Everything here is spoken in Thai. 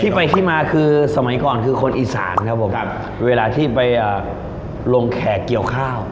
ไปที่มาคือสมัยก่อนคือคนอีสานครับผมครับเวลาที่ไปลงแขกเกี่ยวข้าว